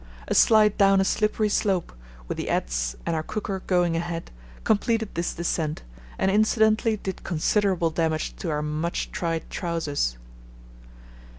A slide down a slippery slope, with the adze and our cooker going ahead, completed this descent, and incidentally did considerable damage to our much tried trousers.